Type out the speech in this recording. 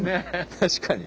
確かに。